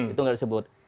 itu nggak disebut